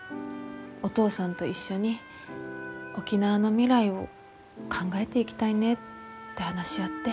お父さんと一緒に沖縄の未来を考えていきたいねって話し合って。